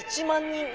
１万人？